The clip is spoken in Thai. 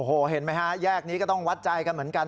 โอ้โหย่ากนี้ก็ต้องวัดใจกันเหมือนกัน